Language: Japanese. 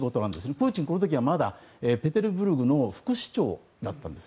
プーチン、この時はまだペテルブルクの副市長だったんです。